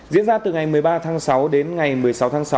diễn ra từ ngày một mươi ba tháng sáu đến ngày một mươi sáu tháng sáu